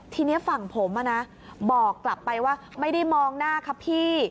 ทีนี้ฝั่งผมบอกกลับไปว่าไม่ได้มองหน้าครับพี่